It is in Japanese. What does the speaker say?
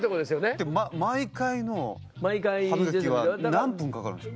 でも毎回の歯磨きは何分かかるんですか？